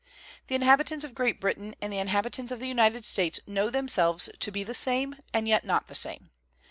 The inhabitants of Great Britain and the in habitants of the United States know themselves to be the same and yet not the same.